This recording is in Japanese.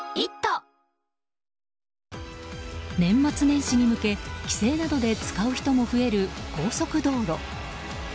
年末年始に向け、帰省などで使う人も増える高速道路。